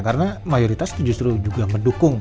karena mayoritas itu justru juga mendukung